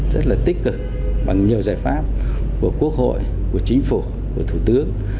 rất là tích cực bằng nhiều giải pháp của quốc hội của chính phủ của thủ tướng